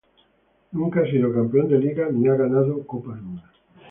Nunca ha sido campeón de Liga ni ha ganado Copa alguna.